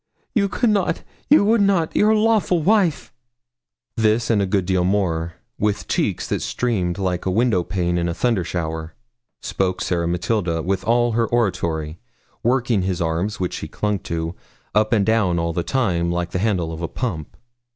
You could not you would not your lawful wife!' This and a good deal more, with cheeks that streamed like a window pane in a thunder shower, spoke Sarah Matilda with all her oratory, working his arm, which she clung to, up and down all the time, like the handle of a pump.